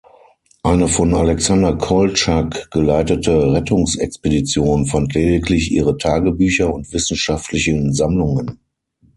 Eine von Alexander Koltschak geleitete Rettungsexpedition fand lediglich ihre Tagebücher und wissenschaftlichen Sammlungen.